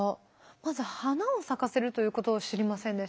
まず花を咲かせるということを知りませんでした。